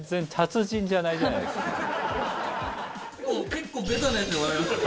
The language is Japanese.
結構ベタなやつで笑いましたね。